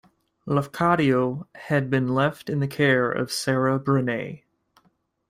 Lafcadio had been left in the care of Sarah Brenane.